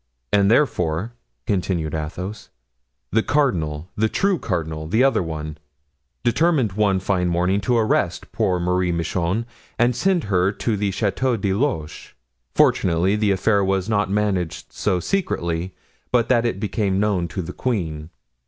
"And therefore," continued Athos, "the cardinal—the true cardinal, the other one—determined one fine morning to arrest poor Marie Michon and send her to the Chateau de Loches. Fortunately the affair was not managed so secretly but that it became known to the queen.